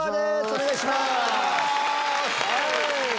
お願いします！